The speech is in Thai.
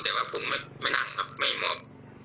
แต่บางคนไม่นั่งครับไม่มอบ